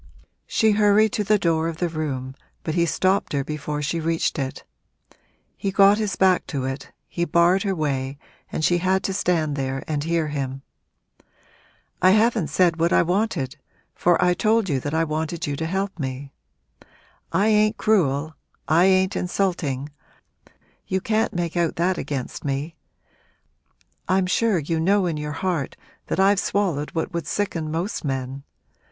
She hurried to the door of the room, but he stopped her before she reached it. He got his back to it, he barred her way and she had to stand there and hear him. 'I haven't said what I wanted for I told you that I wanted you to help me. I ain't cruel I ain't insulting you can't make out that against me; I'm sure you know in your heart that I've swallowed what would sicken most men.